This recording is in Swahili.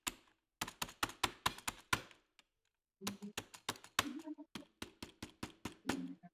na gharama ya maisha kushuka kwa kiwango kikubwa ambacho hakijawahi kushuhudiwa